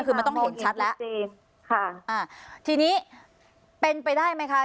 คือมันต้องเห็นชัดแล้วจริงค่ะอ่าทีนี้เป็นไปได้ไหมคะ